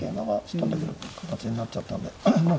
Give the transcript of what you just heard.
跳んでくる形になっちゃったんでまあ